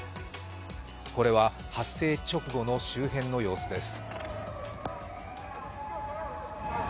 これは発生直後の周辺の様子です。